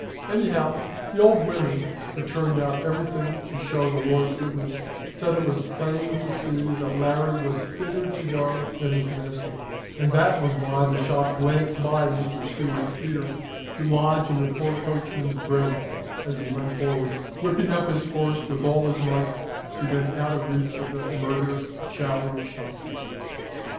Anyhow the old women, who turn out everything to show the Lord's goodness, said it was plain to see that Larry was fitter to go than his master, and that was why the shot glanced by Mr. Stewart's ear to lodge in the poor coachman's brain as he leant forward, whipping up his horse with all his might, to get out of reach of that murderous shower of shot.